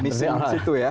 mission apa itu ya